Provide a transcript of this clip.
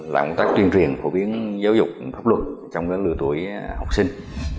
là một tác truyền truyền phổ biến giáo dục pháp luật trong lưu tuổi học sinh